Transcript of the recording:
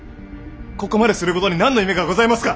ここまですることに何の意味がございますか！